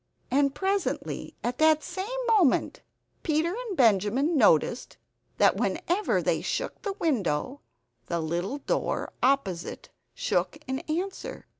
And presently at the same moment Peter and Benjamin noticed that whenever they shook the window the little door opposite shook in answer.